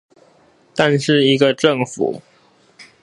但是一個政府